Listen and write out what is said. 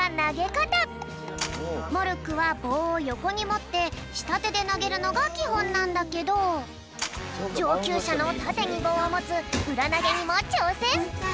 モルックはぼうをよこにもってしたてでなげるのがきほんなんだけどじょうきゅうしゃのたてにぼうをもつうらなげにもちょうせん！